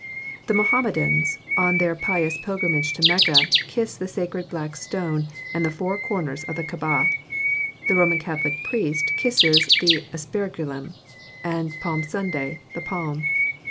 The Mohammedans, on their pious pilgrimage to Mecca, kiss the sacred black stone and the four corners of the Kaaba. The Roman Catholic priest kisses the aspergillum, and Palm Sunday the palm.